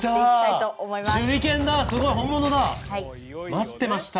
待ってました！